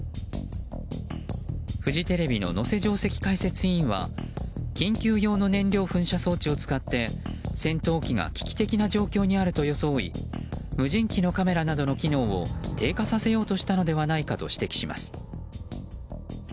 フジテレビの能勢上席解説委員は緊急用の燃料噴射装置を使って戦闘機が危機的な状況にあると装い無人機のカメラなどの機能を低下させようとしたのではないかと指摘します。